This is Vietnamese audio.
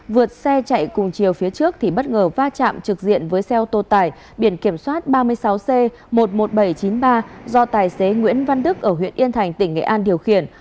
vượt xe chạy cùng chiều phía trước thì bất ngờ va chạm trực diện với xe ô tô tải biển kiểm soát ba mươi sáu c một mươi một nghìn bảy trăm chín mươi ba do tài xế nguyễn văn đức ở huyện yên thành tỉnh nghệ an điều khiển